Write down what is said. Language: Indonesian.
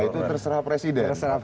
itu terserah presiden